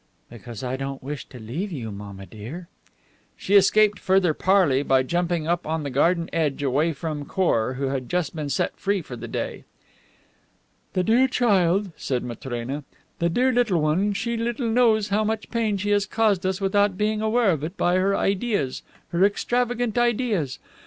"Because I don't wish to leave you, mamma dear." She escaped further parley by jumping up on the garden edge away from Khor, who had just been set free for the day. "The dear child," said Matrena; "the dear little one, she little knows how much pain she has caused us without being aware of it, by her ideas, her extravagant ideas.